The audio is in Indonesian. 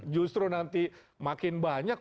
justru nanti makin banyak